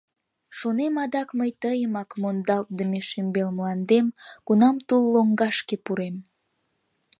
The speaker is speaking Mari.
Шонем адак мый тыйымак, Мондалтдыме шӱмбел мландем, Кунам тул лоҥгашке пурем.